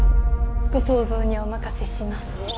ご想像にお任せします